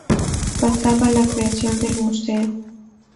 Faltaba la creación del Museo.